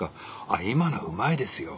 あ今のはうまいですよ。